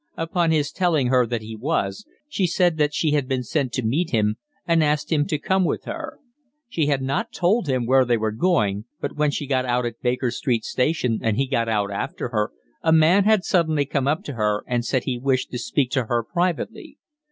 Upon his telling her that he was, she said that she had been sent to meet him, and asked him to come with her. She had not told him where they were going, but when she got out at Baker Street station and he got out after her, a man had suddenly come up to her and said he wished to speak to her privately.